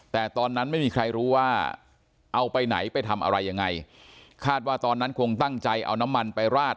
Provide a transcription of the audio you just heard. แต่ตอนนั้นไม่มีใครรู้ว่าเอาไปไหนไปทำอะไรยังไงคาดว่าตอนนั้นคงตั้งใจเอาน้ำมันไปราด